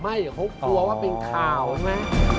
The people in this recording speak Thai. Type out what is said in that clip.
ไม่เดี๋ยวเขากลัวว่าเป็นข่าวนะ